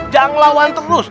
jangan lawan terus